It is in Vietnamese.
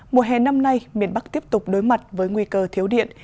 mùa hè năm nay miền bắc tiếp tục đối mặt với nguy cơ thiếu điện